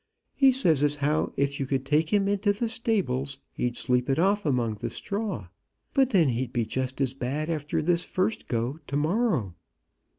He says as how if you could take him into the stables, he'd sleep it off among the straw. But then he'd be just as bad after this first go, to morrow."